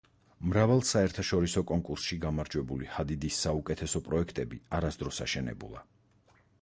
მრავალ საერთაშორისო კონკურსში გამარჯვებული ჰადიდის საუკეთესო პროექტები არასდროს აშენებულა.